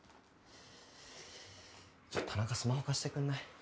ちょっ田中スマホ貸してくんない？